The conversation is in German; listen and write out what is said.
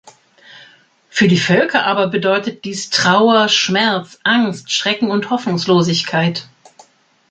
Für die Völker aber bedeutet dies Trauer, Schmerz, Angst, Schrecken und Hoffnungslosigkeit.